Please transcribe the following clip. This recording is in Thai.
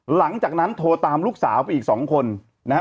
หลังจากนั้นโทรตามลูกสาวไปอีก๒คนนะครับ